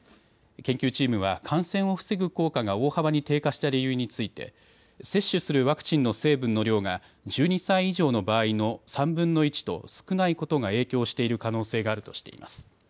研究チームは感染を防ぐ効果が大幅に低下した理由について接種するワクチンの成分の量が１２歳以上の場合の３分の１と少ないことが影響している可能性があるとしています。